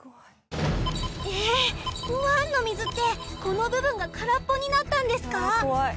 湾の水ってこの部分が空っぽになったんですか？